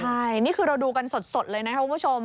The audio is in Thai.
ใช่นี่คือเราดูกันสดเลยนะครับคุณผู้ชม